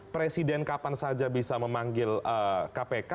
presiden kapan saja bisa memanggil kpk